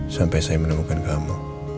sampai saya menemukan kamu